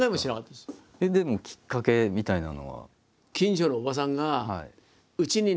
でもきっかけみたいなのは？